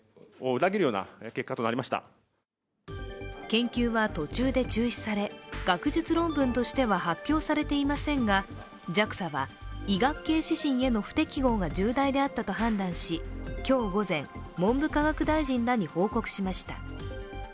研究は途中で中止され、学術論文としては発表されていませんがＪＡＸＡは、医学系指針への不適合が重大だったと判断し今日午前、文部科学大臣らに報告しました。